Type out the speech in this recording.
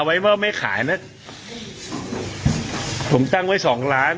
พี่ปั๊ดเดี๋ยวมาที่ร้องให้